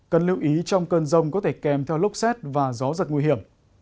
cần lưu ý trong cơn rông có thể kèm theo lốc xét và gió giật nguy hiểm